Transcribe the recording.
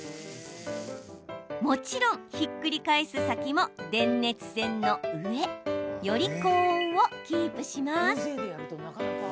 もちろんひっくり返す先も電熱線の上。より高温をキープします。